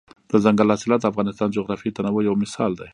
دځنګل حاصلات د افغانستان د جغرافیوي تنوع یو مثال دی.